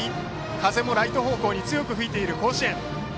風もライト方向に強く吹いている甲子園。